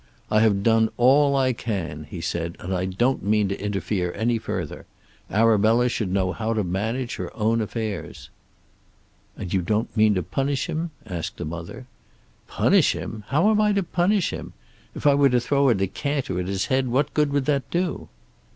"I have done all I can," he said, "and I don't mean to interfere any further. Arabella should know how to manage her own affairs." "And you don't mean to punish him?" asked the mother. "Punish him! How am I to punish him? If I were to throw a decanter at his head, what good would that do?"